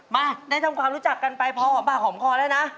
มาได้ทำความรู้จักกันไปพอหอมปากหอมคอแล้วนะ